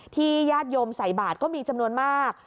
ญาติโยมใส่บาทก็มีจำนวนมาก